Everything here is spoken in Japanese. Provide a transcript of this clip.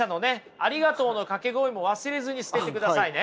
ありがとうの掛け声も忘れずに捨ててくださいね。